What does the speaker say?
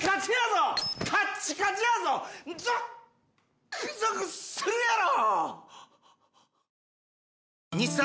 ゾックゾクするやろ！